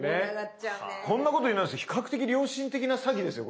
こんなこと言うのあれなんですけど比較的良心的な詐欺ですよ